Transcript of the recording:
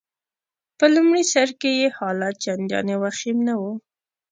په لمړي سر کي يې حالت چنداني وخیم نه وو.